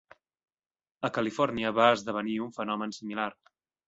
A Califòrnia va esdevenir un fenomen similar.